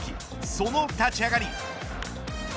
その立ち上がり。